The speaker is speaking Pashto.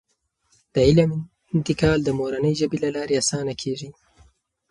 د علم انتقال د مورنۍ ژبې له لارې اسانه کیږي.